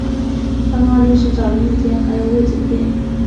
刚刚临时找了一间还有位子的店